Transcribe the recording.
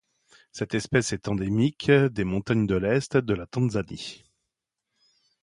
Cette espèce est endémique des montagnes de l'Est de la Tanzanie.